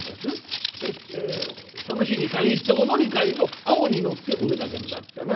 「その日に限ってお乗り換えの青に乗ってお出かけになったな。